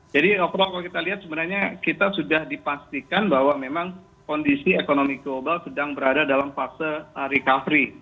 jadi overall kalau kita lihat sebenarnya kita sudah dipastikan bahwa memang kondisi ekonomi global sedang berada dalam fase recovery